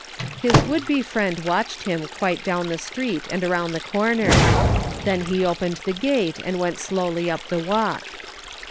His would be friend watched him quite down the street and around the corner ; then he opened the gate and went slowly up the walk.